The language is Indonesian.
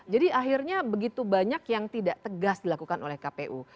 akhirnya begitu banyak yang tidak tegas dilakukan oleh kpu